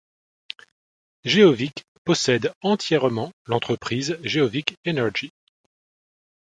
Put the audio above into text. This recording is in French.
Geovic possède entièrement l'entreprise Geovic Energy.